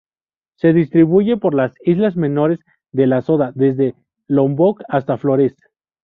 Se distribuye por las islas menores de la Sonda: desde Lombok hasta Flores.